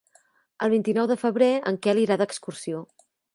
El vint-i-nou de febrer en Quel irà d'excursió.